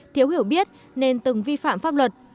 thiếu hiểu biết nên từng vi phạm pháp luật